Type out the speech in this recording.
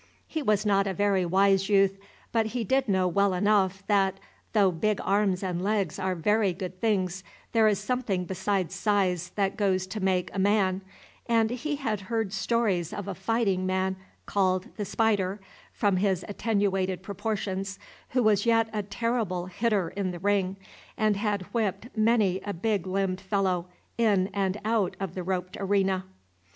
He was not a very wise youth, but he did know well enough, that, though big arms and legs are very good things, there is something besides size that goes to make a man; and he had heard stories of a fighting man, called "The Spider," from his attenuated proportions, who was yet a terrible hitter in the ring, and had whipped many a big limbed fellow, in and out of the roped arena.